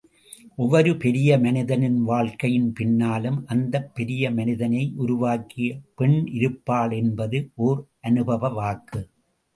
ஒவ்வொரு பெரிய மனிதனின் வாழ்க்கையின் பின்னாலும் அந்தப் பெரிய மனிதனை உருவாக்கிய பெண் இருப்பாள் என்பது ஒர் அனுபவவாக்கு.